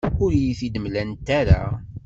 Ur iyi-t-id-mlant ara.